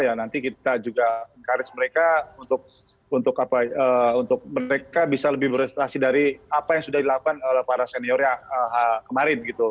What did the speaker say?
ya nanti kita juga engkauris mereka untuk mereka bisa lebih berprestasi dari apa yang sudah dilakukan para seniornya kemarin gitu